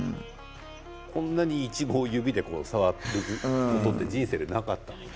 こんなに、いちごを指で触ることって人生でいなかったので。